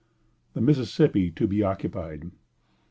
The Mississippi to be occupied.